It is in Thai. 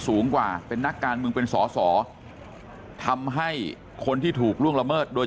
สูงกว่าเป็นนักการเมืองเป็นสอสอทำให้คนที่ถูกล่วงละเมิดโดย